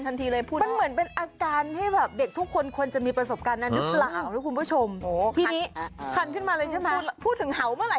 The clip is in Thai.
นี่นวัตกรรมทางสมัยล่าสุด